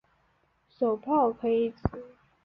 手炮可以指